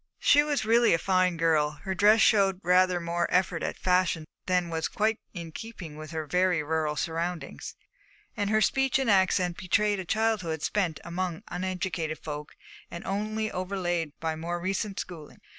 She was really a fine girl. Her dress showed rather more effort at fashion than was quite in keeping with her very rural surroundings, and her speech and accent betrayed a childhood spent among uneducated folk and only overlaid by more recent schooling.